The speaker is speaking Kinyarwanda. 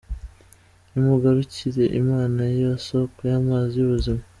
Nimugarukire Imana, yo soko y’amazi y’ubuzima.